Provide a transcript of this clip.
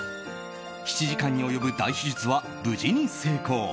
７時間に及ぶ大手術は無事に成功。